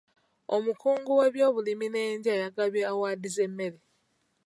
Omukugu mu by'obulimi n'endya yagabye awaadi z'emmere.